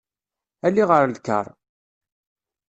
Ali ɣer lkar.